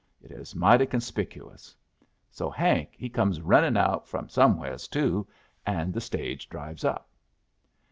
It is mighty conspicuous. So Hank he come rennin' out from somewheres too, and the stage drives up.